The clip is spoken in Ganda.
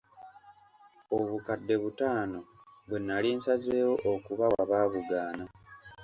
Obukadde butaano bwe nali nsazeewo okubawa baabugaana.